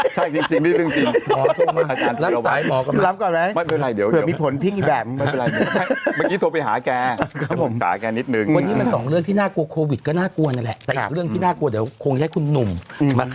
ใช่จริงรับสายหมอก่อนนะไม่เป็นไรเผื่อมีผลพิ่งอีกแบบ